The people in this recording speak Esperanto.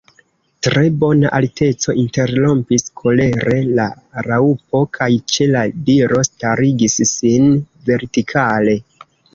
"Tre bona alteco," interrompis kolere la Raŭpo, kaj ĉe la diro starigis sin vertikale.